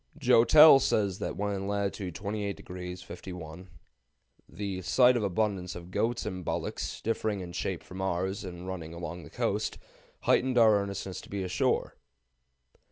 Joutel says that when in latitude 28° 51' "the sight of abundance of goats and bullocks, differing in shape from ours, and running along the coast, heightened our earnestness to be ashore."